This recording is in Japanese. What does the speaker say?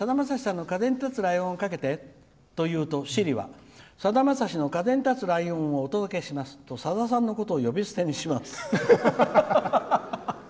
「風に立つライオン」をかけてって言うとシリは、さだまさしの「風に立つライオン」をお届けしますとさださんのことを呼び捨てにします」。